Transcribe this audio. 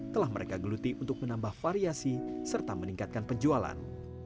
telah mereka geluti untuk menambah variasi serta meningkatkan penjualan